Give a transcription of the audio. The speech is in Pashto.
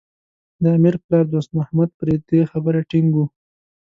د امیر پلار دوست محمد پر دې خبره ټینګ و.